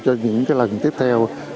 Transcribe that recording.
cho những lần tiếp theo